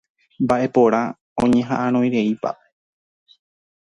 Mbaʼeporã oñehaʼãrõreipa.